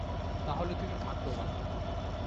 তাহলে তুমি ভাগ্যবান।